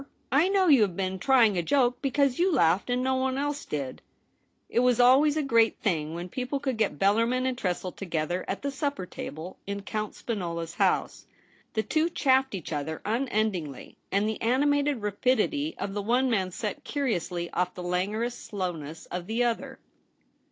I know you have been trying a joke, because you laughed and no one else did.' It was always a great thing when people could get Bellarmin and Tressel together at the supper table in Count Spinola's house. TOMMY TRESSEL. 129 The two chaffed each other unendingly, and the animated rapidity of the one man set curiously off the languorous slowness of the other.